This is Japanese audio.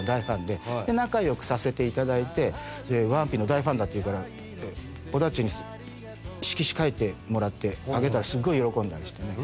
で仲良くさせて頂いて『ワンピ』の大ファンだっていうから尾田っちに色紙書いてもらってあげたらすごい喜んだりしてね。